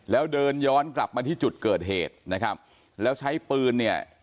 แล้วเดินย้อนกลับมาที่จุดเกิดเหตุนะครับแล้วใช้ปืนเนี่ย